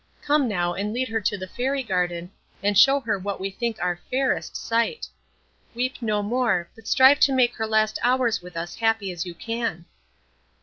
Come now and lead her to the Fairy garden, and show her what we think our fairest sight. Weep no more, but strive to make her last hours with us happy as you can."